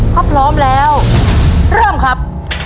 ถ้าพร้อมแล้วเริ่มครับ